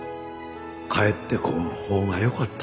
帰ってこん方がよかった。